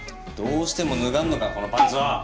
どうしても脱がんのかこのパンツは。